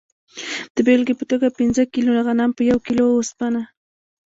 د بیلګې په توګه پنځه کیلو غنم په یوه کیلو اوسپنه.